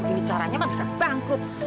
begini caranya mah bisa bangkrut